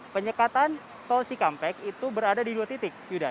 penyekatan tol cikampek itu berada di dua titik yuda